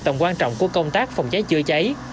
tầm quan trọng của công tác phòng cháy chữa cháy